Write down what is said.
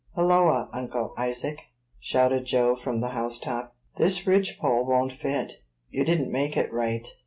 "Halloa, Uncle Isaac!" shouted Joe from the house top, "this ridge pole won't fit; you didn't make it right."